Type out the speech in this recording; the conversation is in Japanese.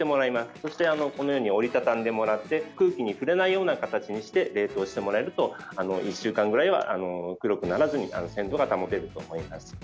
そして、折りたたんでもらって空気に触れないような形にして冷凍してもらえると１週間くらいは黒くならずに鮮度が保てると思います。